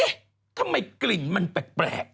ทำไมกลิ่นมันแปลก